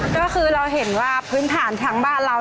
ก็คือเราเห็นว่าพื้นฐานทั้งบ้านเรา